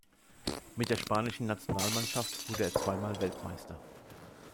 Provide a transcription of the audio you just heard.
Mit der spanischen Nationalmannschaft wurde er zweimal Weltmeister.